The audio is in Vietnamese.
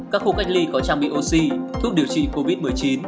các khu cách ly có trang bị oxy thuốc điều trị covid một mươi chín